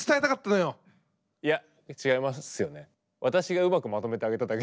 いや違いますよね。